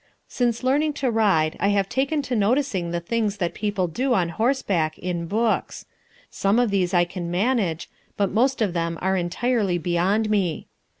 Since learning to ride, I have taken to noticing the things that people do on horseback in books. Some of these I can manage, but most of them are entirely beyond me.